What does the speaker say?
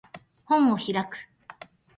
本を開く